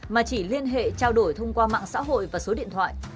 mà chỉ liên hệ trao đổi thông qua mạng xã hội và số điện thoại